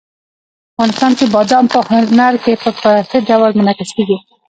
افغانستان کې بادام په هنر کې په ښه ډول منعکس کېږي.